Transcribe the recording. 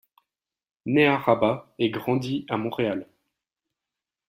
Née à Rabat et grandie à Montréal.